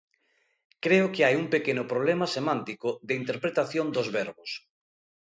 Creo que hai un pequeno problema semántico de interpretación dos verbos.